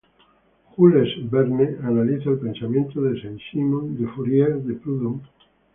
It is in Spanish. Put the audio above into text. Jules Verne analiza el pensamiento de Saint-Simon, de Fourier, de Proudhon.